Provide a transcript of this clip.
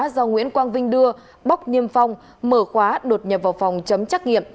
do nguyễn quang vinh đưa bóc niêm phong mở khóa đột nhập vào phòng chấm trắc nghiệm